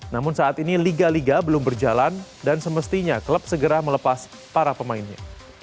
namun saat ini liga liga belum berjalan dan semestinya klub segera melepas para pemainnya